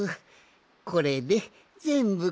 これでぜんぶかの？